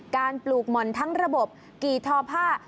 ปลูกหม่อนทั้งระบบกี่ทอผ้า